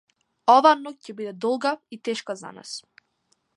Оваа ноќ ке биде, долга и тешка за нас